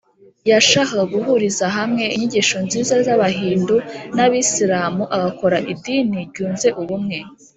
yashakaga guhuriza hamwe inyigisho nziza z’abahindu n abisilamu, agakora idini ryunze ubumwe